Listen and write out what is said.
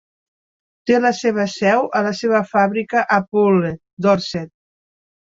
Té la seva seu a la seva fàbrica a Poole, Dorset.